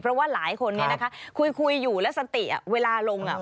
เพราะว่าหลายคนเนี่ยนะคะคุยอยู่แล้วสติเวลาลงอ่ะ